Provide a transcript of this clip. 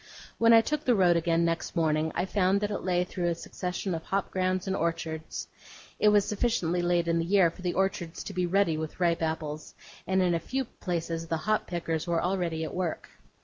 When I took the road again next morning, I found that it lay through a succession of hop grounds and orchards. It was sufficiently late in the year for the orchards to be ruddy with ripe apples; and in a few places the hop pickers were already at work.